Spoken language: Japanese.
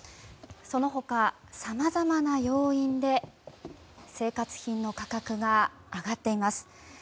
その他、さまざまな要因で生活品の価格が上がっています。